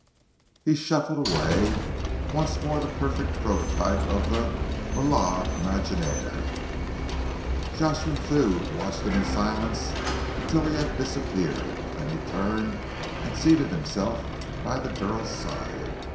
He shuffled away, once more the perfect prototype of the malade imaginaire. Jocelyn Thew watched him in silence until he had disappeared. Then he turned and seated himself by the girl's side.